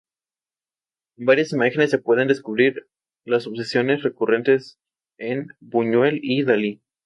En varias imágenes se pueden descubrir las obsesiones recurrentes en Buñuel y Dalí.